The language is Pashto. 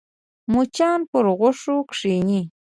مچان پر غوښو کښېني